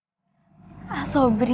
akhirnya kamu menikah dengan sobri